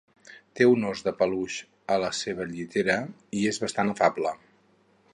Té un ós de peluix en la seva llitera i és bastant afable.